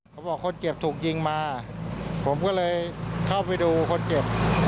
เขาบอกคนเจ็บถูกยิงมาผมก็เลยเข้าไปดูคนเจ็บ